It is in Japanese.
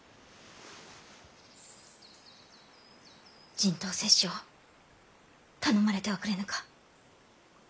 人痘接種を頼まれてはくれぬか！